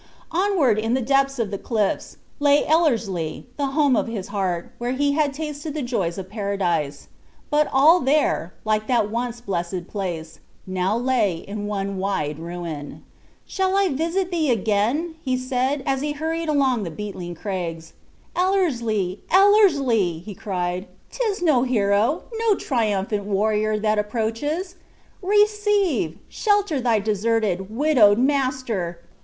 Onward in the depths of the cliffs, lay Ellerslie, the home of his heart, where he had tasted the joys of Paradise; but all there, like that once blessed place, now lay in one wide ruin. "Shall I visit thee again?" said he, as he hurried along the beetling craigs; "Ellerslie! Ellerslie," cried he; "'tis no hero, no triumphant warrior, that approaches! Receive shelter thy deserted, widowed master!